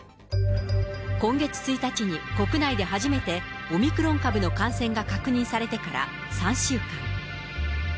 今月１日に国内で初めてオミクロン株の感染が確認されてから３週間。